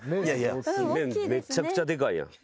面めちゃくちゃでかいやん。